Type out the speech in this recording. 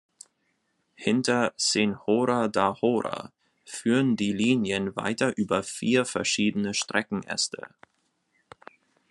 Hinter "Senhora da Hora" führen die Linien weiter über vier verschiedene Streckenäste.